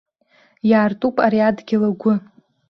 Иаартуп ари адгьыл агәы.